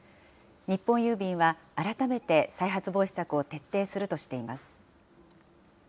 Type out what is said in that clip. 日本郵便は、改めて再発防止策を徹底するとしています。